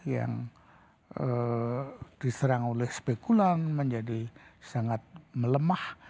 yang diserang oleh spekulan menjadi sangat melemah